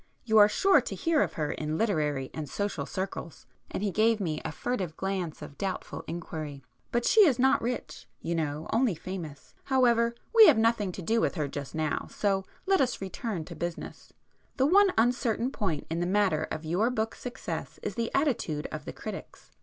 You are sure to hear of her in literary and social circles"—and he gave me a furtive glance of doubtful inquiry—"but she is not rich, you know,—only famous. However,—we have nothing to do with her just now—so let us return to business. The one uncertain point in the matter of your book's success is the attitude of the critics.